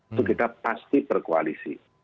itu kita pasti berkoalisi